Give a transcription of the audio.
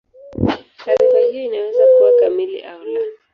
Taarifa hiyo inaweza kuwa kamili au la.